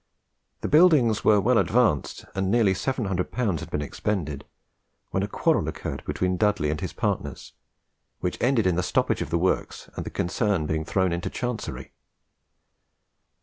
The buildings were well advanced, and nearly 700L. had been expended, when a quarrel occurred between Dudley and his partners, which ended in the stoppage of the works, and the concern being thrown into Chancery.